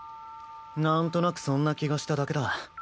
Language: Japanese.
なんとなくそんな気がしただけだ。